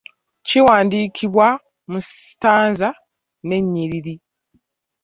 Kiwandiikibwa mu sitanza n'ennyiriri.